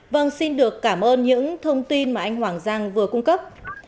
vâng xin được cảm ơn những thông tin mà anh hoàng giang vừa cung cấp